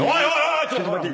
ちょっと待って。